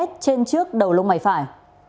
trên trước đầu lông mài phải